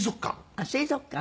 あっ水族館？